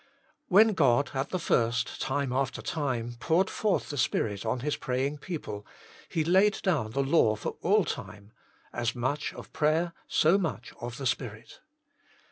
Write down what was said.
When God, at the first, time after time, poured forth the Spirit on His praying people, He laid down the law for all time : as much of prayer, so much of the Spirit.